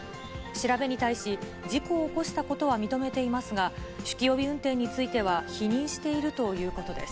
調べに対し、事故を起こしたことは認めていますが、酒気帯び運転については否認しているということです。